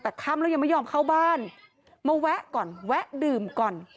แต่ค่ำแล้วยังไม่ยอมเข้าบ้านมาแวะก่อนแวะดื่มก่อน